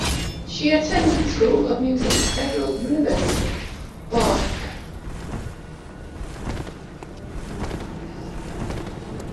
She attended the School of Music Federal University of Bahia.